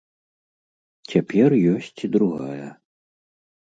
Цяпер ёсць і другая.